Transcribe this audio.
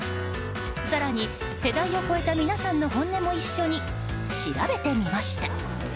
更に世代を超えた皆さんの本音も一緒に調べてみました。